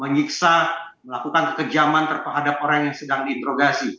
menyiksa melakukan kekejaman terhadap orang yang sedang diinterogasi